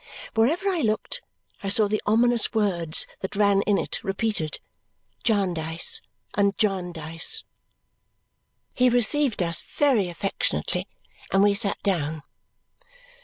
Wherever I looked I saw the ominous words that ran in it repeated. Jarndyce and Jarndyce. He received us very affectionately, and we sat down.